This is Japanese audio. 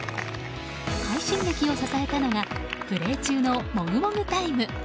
快進撃を支えたのがプレー中のもぐもぐタイム。